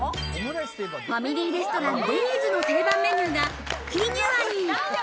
ファミリーレストラン、デニーズの定番メニューがフィギュアに。